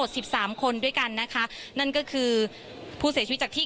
พูดสิทธิ์ข่าวธรรมดาทีวีรายงานสดจากโรงพยาบาลพระนครศรีอยุธยาครับ